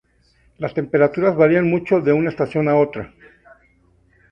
Las temperaturas varían mucho de una estación a otra.